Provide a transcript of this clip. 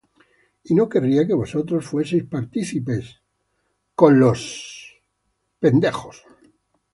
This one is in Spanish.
y no querría que vosotros fueseis partícipes con los demonios.